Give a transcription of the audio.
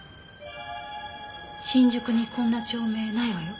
新宿にこんな町名ないわよ。